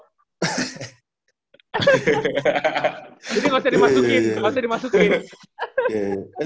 jadi gak usah dimasukin gak usah dimasukin